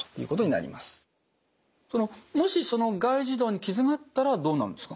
もし外耳道に傷があったらどうなるんですか？